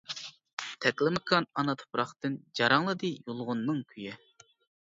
تەكلىماكان ئانا تۇپراقتىن، جاراڭلىدى يۇلغۇننىڭ كۈيى.